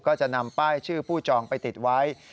ก็จะนำป้ายชื่อผู้จองไปติดไว้